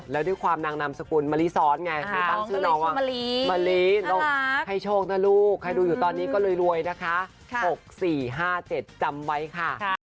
แล้วด้วยความนางนามสกุลมะลิซ้อนไงที่ตั้งชื่อน้องว่ามะลิต้องให้โชคนะลูกใครดูอยู่ตอนนี้ก็รวยนะคะ๖๔๕๗จำไว้ค่ะ